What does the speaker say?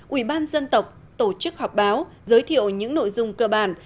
ủy ban dân tộc tổ chức họp báo giới thiệu những nội dung cơ bản